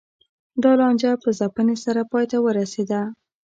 دا لانجه په ځپنې سره پای ته ورسېده